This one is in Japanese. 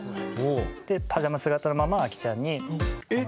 でパジャマ姿のままアキちゃんにあの結婚。